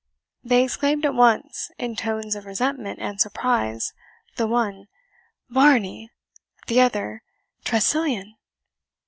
They exclaimed at once, in tones of resentment and surprise, the one "Varney!" the other "Tressilian!"